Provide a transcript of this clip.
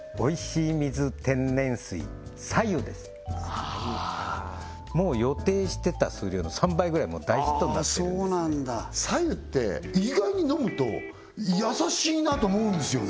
はいそれはあもう予定してた数量の３倍ぐらい大ヒットになってるんで白湯って意外に飲むと優しいなと思うんですよね